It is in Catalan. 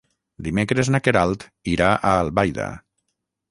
Dimecres na Queralt irà a Albaida.